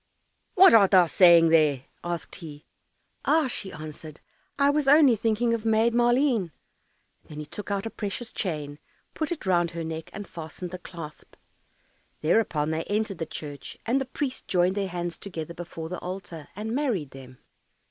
"What art thou saying there?" asked he. "Ah," she answered, "I was only thinking of Maid Maleen." Then he took out a precious chain, put it round her neck, and fastened the clasp. Thereupon they entered the church, and the priest joined their hands together before the altar, and married them.